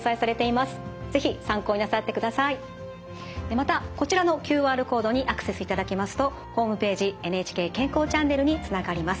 またこちらのＱＲコードにアクセスいただきますとホームページ「ＮＨＫ健康チャンネル」につながります。